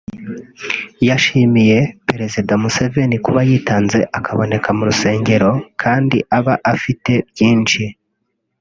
yashimiye perezida Museveni kuba yitanze akaboneka mu rusengero kandi aba afite byinshi